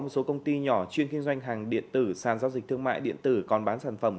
một số công ty nhỏ chuyên kinh doanh hàng điện tử sàn giao dịch thương mại điện tử còn bán sản phẩm